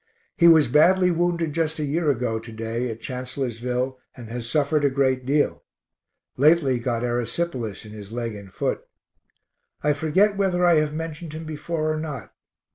He was badly wounded just a year ago to day at Chancellorsville and has suffered a great deal; lately got erysipelas in his leg and foot. I forget whether I have mentioned him before or not.